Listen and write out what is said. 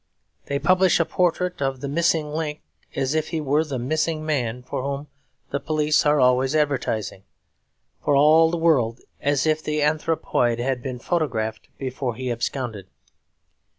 They publish a portrait of the Missing Link as if he were the Missing Man, for whom the police are always advertising; for all the world as if the anthropoid had been photographed before he absconded.